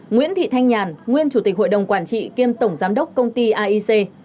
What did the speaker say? nguyễn thị thanh nhàn nguyên chủ tịch hội đồng quản trị kiêm tổng giám đốc công ty aic